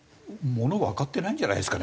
ものをわかってないんじゃないですかね？